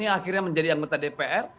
akhirnya menjadi anggota dpr